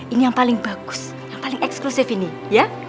ini yang paling bagus yang paling eksklusif ini ya